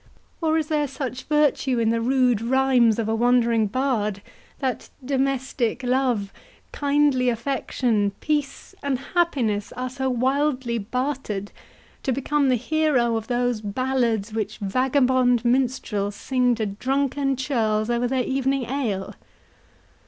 Or is there such virtue in the rude rhymes of a wandering bard, that domestic love, kindly affection, peace and happiness, are so wildly bartered, to become the hero of those ballads which vagabond minstrels sing to drunken churls over their evening ale?"